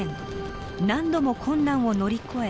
何度も困難を乗り越え